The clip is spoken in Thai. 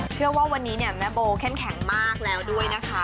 เชื่อว่าวันนี้เนี่ยแม่โบเข้มแข็งมากแล้วด้วยนะคะ